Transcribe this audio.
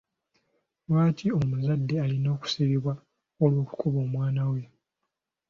Lwaki omuzadde alina okusibibwa olw'okukuba omwana we?